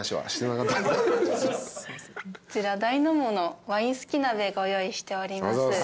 こちら台の物ワインすき鍋ご用意しております。